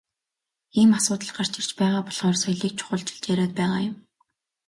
Ийм асуудал гарч ирж байгаа болохоор соёлыг чухалчилж яриад байгаа юм.